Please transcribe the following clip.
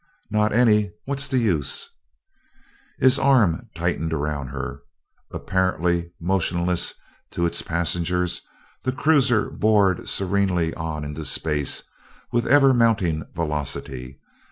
"Not any. What's the use?" His arm tightened around her. Apparently motionless to its passengers, the cruiser bored serenely on into space, with ever mounting velocity.